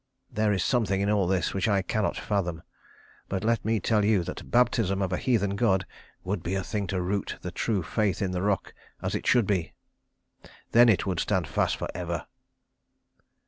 There is something in all this which I cannot fathom. But let me tell you that baptism of a heathen god would be a thing to root the true faith in the rock, as it should be. Then it would stand fast for ever."